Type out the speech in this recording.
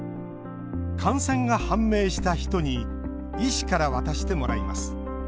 感染が判明した人に医師から渡してもらいます。